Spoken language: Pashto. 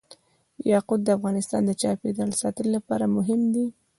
یاقوت د افغانستان د چاپیریال ساتنې لپاره مهم دي.